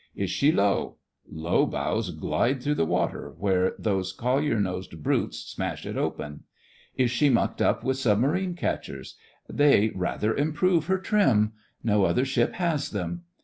Is she low? Low bows glide through the water where those collier nosed brutes smash it open. Is she mucked up with submarine catchers.'' They rather improve her trim. No other ship has them.